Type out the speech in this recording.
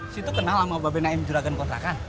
si itu kenal sama mbak be naim juragan kontrakan